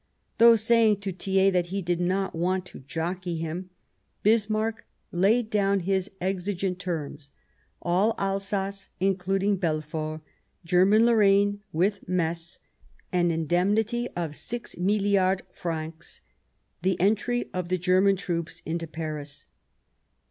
Though saying to Thiers that he did not want to "jockey" him, Bismarck laid down his exigent terms : all Alsace, including Belfort, German Lorraine with Metz ; an indemnity of six milHard francs ; the entry of the German troops into Paris.